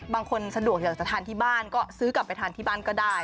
บางคนสะดวกอยากจะทานที่บ้านก็ซื้อกลับไปทานที่บ้านก็ได้